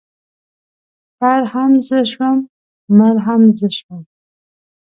پړ هم زه شوم مړ هم زه شوم.